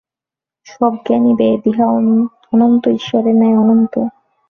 সব জ্ঞানই বেদ, ইহা অনন্ত ঈশ্বরের ন্যায় অনন্ত।